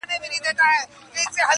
د نغمو آمیل په غاړه راغلم یاره-